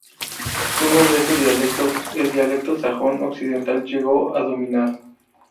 Uno de esos dialectos, el dialecto sajón occidental, llegó a dominar.